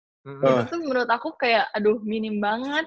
itu menurut aku kayak aduh minim banget